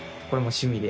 趣味で？